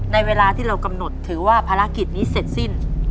เวลาที่เรากำหนดถือว่าภารกิจนี้เสร็จสิ้น